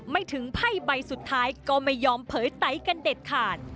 ไม่ถึงไพ่ใบสุดท้ายก็ไม่ยอมเผยไตกันเด็ดขาด